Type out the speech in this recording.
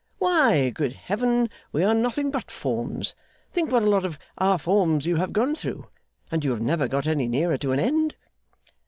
Why, good Heaven, we are nothing but forms! Think what a lot of our forms you have gone through. And you have never got any nearer to an end?